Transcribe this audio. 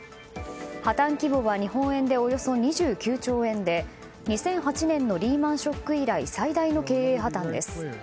破綻規模は日本円でおよそ２９兆円で２００８年のリーマン・ショック以来最大の経営破綻です。